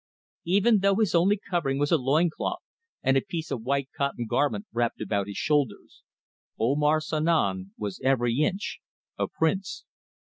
Even though his only covering was a loin cloth and a piece of a white cotton garment wrapped about his shoulders, Omar Sanom was every inch a prince.